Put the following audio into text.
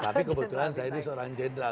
tapi kebetulan saya ini seorang jenderal